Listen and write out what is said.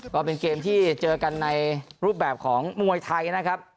ก็เป็นเกมที่เจอกันในรูปแบบของมวยไทยนะครับ